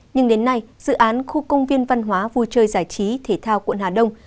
nhưng đến nay dự án khu công viên văn hóa vui chơi giải trí thể thao quận hà đông